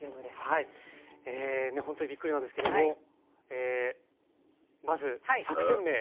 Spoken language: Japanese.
はいほんとにびっくりなんですけどもまず作戦名お願いします。